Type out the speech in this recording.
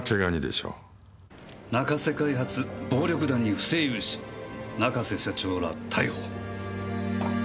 「仲瀬開発暴力団に不正融資」「仲瀬社長ら逮捕」！